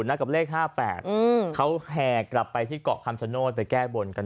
นัดกับเลข๕๘เขาแห่กลับไปที่เกาะคำชโนธไปแก้บนกัน